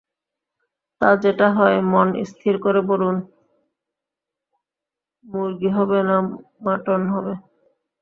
তা, যেটা হয় মন স্থির করে বলুন– মুর্গি হবে না মটন হবে?